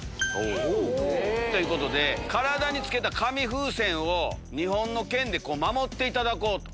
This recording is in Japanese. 体につけた紙風船を２本の剣で守っていただこうと。